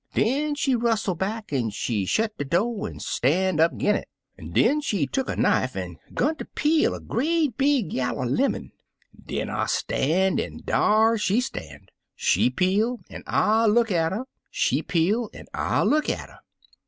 Den she rustle back an' shet de do* an' stan' up 'g'"^' i An' den she tuck er knife an' gun ter peel cr great big yaller lemon. Dar I stan', an' dar she Stan'. She peel, an' I look at 'er — she peel, an' I look at 'er.